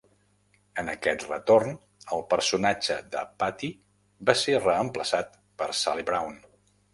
En aquest retorn, el personatge de Patty va ser reemplaçat per Sally Brown.